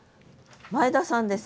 前田さんです。